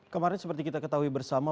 kemarin seperti kita ketahui bersama